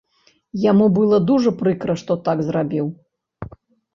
Яму было дужа прыкра, што так зрабіў.